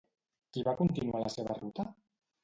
Qui va continuar la seva ruta?